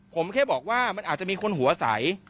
ผมแค่บอกว่ามันอาจจะมีคนหัวใส